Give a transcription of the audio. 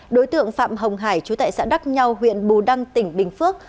đối tượng phạm hồng hải chú tại xã đắc nhau huyện bù đăng tỉnh bình phước